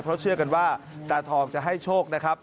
เพราะเชื่อกันว่าตาทองจะให้โชคนะครับ